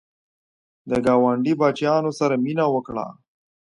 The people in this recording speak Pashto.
د ګاونډي بچیانو سره مینه وکړه